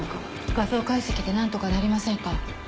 画像解析で何とかなりませんか？